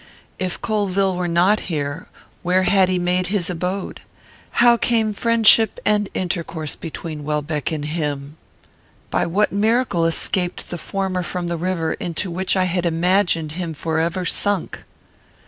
If Colvill were not here, where had he made his abode? How came friendship and intercourse between Welbeck and him? By what miracle escaped the former from the river, into which I had imagined him forever sunk?